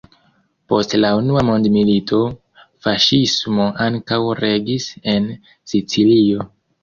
Post la Unua mondmilito, faŝismo ankaŭ regis en Sicilio.